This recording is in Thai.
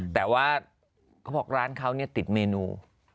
แต่ว่าเขาบอกว่าร้านเขาเนี่ยติดเมนู